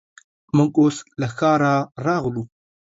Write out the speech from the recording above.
موږ اوس له ښاره راغلو.